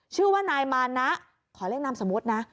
ชื่อว่านายมานะขอเรียกนามสมมุตินะ